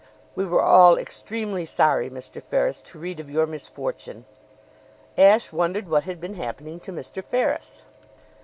"We were all extremely sorry, Mr. Ferris, to read of your misfortune." Ashe wondered what had been happening to Mr. Ferris.